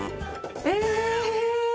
え！